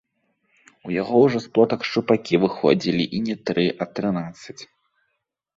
У яго ўжо з плотак шчупакі выходзілі, і не тры, а трынаццаць.